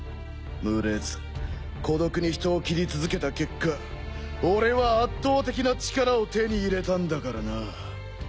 群れず孤独に人を斬り続けた結果俺は圧倒的な力を手に入れたんだからな。